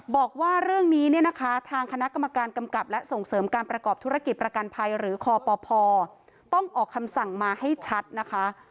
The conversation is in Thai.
บอกว่าเรื่องนี้เนี่ยนะคะทางคณะกรรมการกำกับและส่งเสริมการประกอบธุรกิจประกันภัยหรือคปต้องออกคำสั่งมาให้ชัดนะคะ